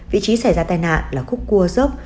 vị trí xảy ra tai nạn là khúc cua dốc